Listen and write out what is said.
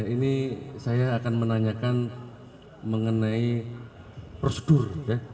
ini saya akan menanyakan mengenai prosedur